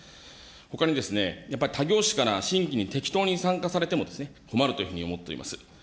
ほかにやっぱり他業種から、新規に適当に参加されても困るというふうに思っています。